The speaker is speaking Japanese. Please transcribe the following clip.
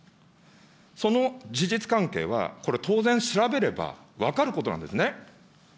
その事実関係はこれ、当然調べれば分かることなんですね。